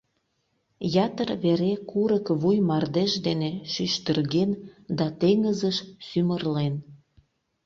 Ятыр вере курык вуй мардеж дене шӱштырген да теҥызыш сӱмырлен.